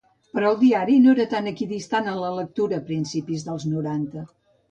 Però el diari no era tan equidistant en la lectura a principi dels noranta.